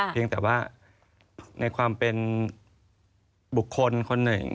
เพียงแต่ว่าในความเป็นบุคคลคนหนึ่ง